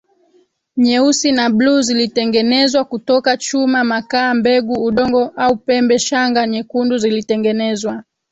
nyeusi na bluu zilitengenezwa kutoka chuma makaa mbegu udongo au pembe Shanga nyekundu zilitengenezwa